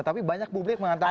tapi banyak publik mengatakan